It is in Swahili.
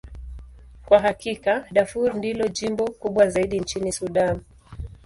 Kwa hakika, Darfur ndilo jimbo kubwa zaidi nchini Sudan.